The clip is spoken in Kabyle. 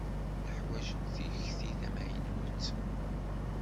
Neḥwaǧ tikti tamaynut?